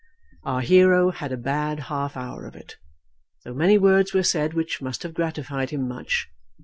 Our hero had a bad half hour of it, though many words were said which must have gratified him much.